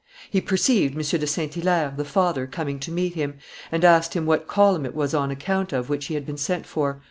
He perceived M. do St. Hilaire, the father, coming to meet him, and asked him what column it was on account of which he had been sent for.